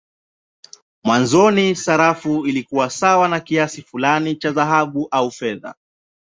Mwanzoni sarafu ilikuwa sawa na kiasi fulani cha dhahabu au fedha.